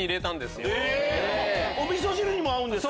お味噌汁にも合うんですか。